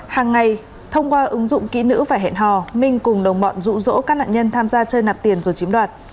hàng ngày thông qua ứng dụng kỹ nữ và hẹn hò minh cùng đồng bọn rũ rỗ các nạn nhân tham gia chơi nạp tiền rồi chiếm đoạt